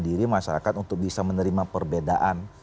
diri masyarakat untuk bisa menerima perbedaan